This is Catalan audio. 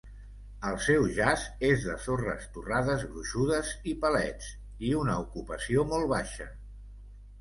El seu jaç és de sorres torrades gruixudes i palets i una ocupació molt baixa.